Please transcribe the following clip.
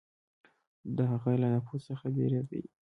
د هغه له نفوذ څخه بېرېدی.